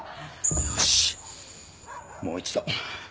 よしもう一度。